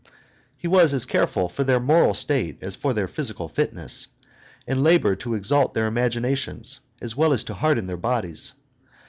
He was as careful for their moral state as for their physical fitness, and labored to exalt their imaginations as well as to harden their bodies.